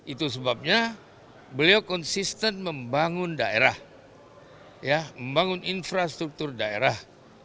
itu sebabnya beliau konsisten membangun daerah membangun infrastruktur daerah